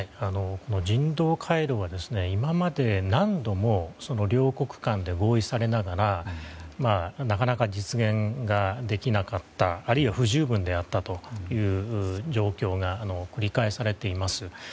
人道回廊は今まで何度も両国間で合意されながらなかなか実現ができなかったあるいは不十分であったという状況が繰り返されています。